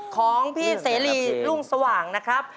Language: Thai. ของพี่เสรีรุ่งสว่างนะครับ